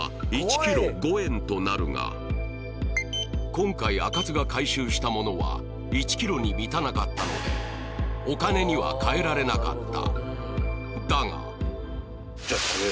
今回あかつが回収した物は１ｋｇに満たなかったのでお金には換えられなかった。